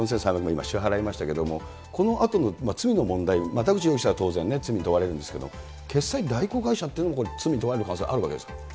今、支払いましたけれども、このあとの罪の問題、田口容疑者は当然、罪に問われるんですけれども、決済代行業者が、これ、罪に問われる可能性あるわけですか。